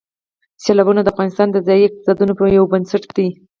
سیلابونه د افغانستان د ځایي اقتصادونو یو بنسټ دی.